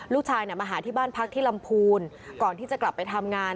ลูกชายมาหาที่บ้านพักที่ลำพูนก่อนที่จะกลับไปทำงาน